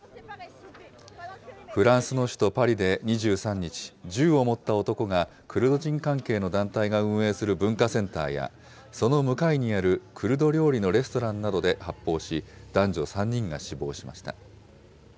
フランスの首都パリで２３日、銃を持った男がクルド人関係の団体が運営する文化センターや、その向かいにあるクルド料理のレストランなどで発砲し、男女３人が死亡しました。